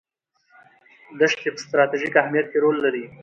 دښتې په ستراتیژیک اهمیت کې رول لري.